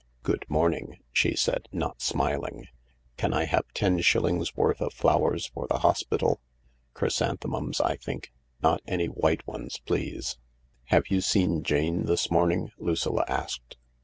"Good morning," she said, not smiling. "Can I have ten shillings' worth of flowers for the hospital ? Chrysanthe mums, I think. Not any white ones, please." "Have you seen Jane this morning ?" Lucilla asked.